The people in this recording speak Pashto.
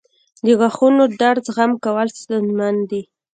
• د غاښونو درد زغم کول ستونزمن دي.